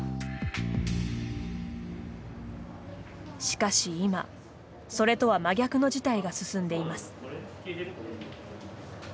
しかし今、それとは真逆の事態が進んでいます。